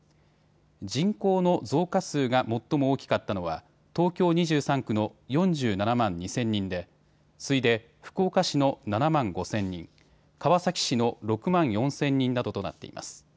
人口の増加数が最も大きかったのは東京２３区の４７万２０００人で次いで福岡市の７万５０００人、川崎市の６万４０００人などとなっています。